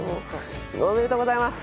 おめでとうございます。